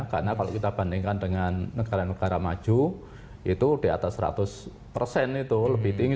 karena kalau kita bandingkan dengan negara negara maju itu di atas seratus itu lebih tinggi satu ratus lima puluh